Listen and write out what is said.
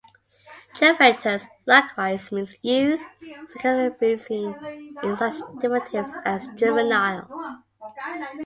"Juventus" likewise means "youth", as can be seen in such derivatives as "juvenile".